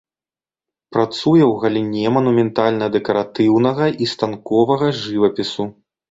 Працуе ў галіне манументальна-дэкаратыўнага і станковага жывапісу.